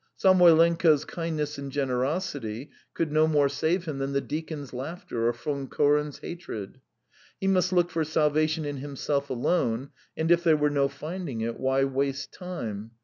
Samoylenko's kindness and generosity could no more save him than the deacon's laughter or Von Koren's hatred. He must look for salvation in himself alone, and if there were no finding it, why waste time?